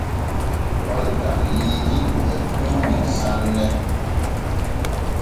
Koltal Liidi e tuuni sanne.